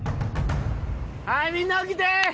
はいみんな起きて！